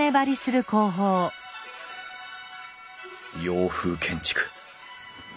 洋風建築。